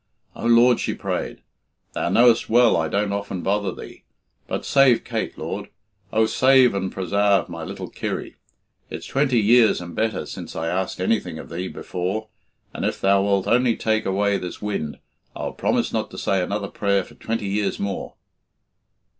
"O Lord," she prayed, "Thou knowest well I don't often bother Thee. But save Kate, Lord; oh, save and prasarve my little Kirry! It's twenty years and better since I asked anything of Thee before and if Thou wilt only take away this wind, I'll promise not to say another prayer for twenty years more."